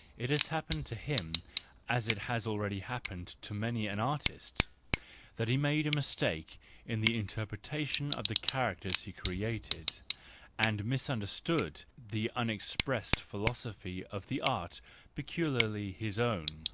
— It has happened to him as it has already happened to many an artist: he made a mistake in the interpretation of the characters he created, and misunderstood the unexpressed philosophy of the art peculiarly his own.